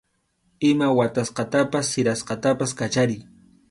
Ima watasqatapas sirasqatapas kachariy.